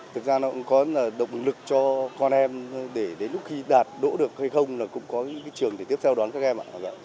thực ra nó cũng có động lực cho con em để đến lúc khi đạt đỗ được hay không là cũng có cái trường để tiếp theo đón các em